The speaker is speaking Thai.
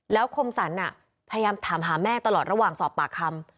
แล้วคมสรรพยายามถามหาแม่ตลอดระหว่างสอบปากคำ